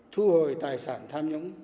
thu hồi tài sản tham nhũng